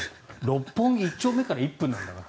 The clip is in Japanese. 六本木一丁目から１分なんだから。